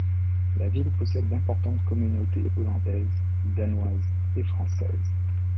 La ville possède d'importantes communautés hollandaises, danoises et françaises.